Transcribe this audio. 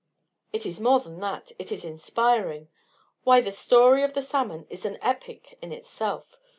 "It is more than that; it is inspiring. Why, the story of the salmon is an epic in itself.